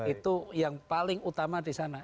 itu yang paling utama disana